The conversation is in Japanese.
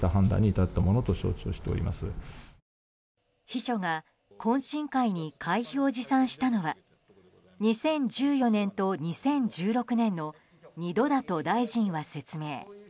秘書が懇親会に会費を持参したのは２０１４年と２０１６年の２度だと大臣は説明。